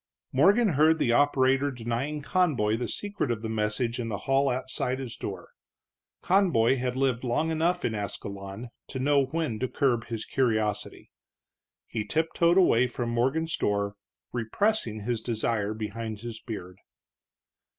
Morgan heard the operator denying Conboy the secret of the message in the hall outside his door. Conboy had lived long enough in Ascalon to know when to curb his curiosity. He tiptoed away from Morgan's door, repressing his desire behind his beard.